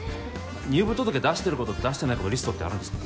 入部届出してる子と出してない子のリストってあるんですか？